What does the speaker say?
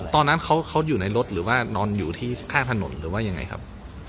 ตอนนั้นเขาอยู่ในรถหรือว่านอนอยู่ที่ข้างถนนหรือว่ายังไงครับ